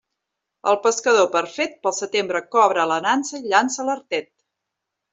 El pescador perfet, pel setembre cobra a la nansa i llança l'artet.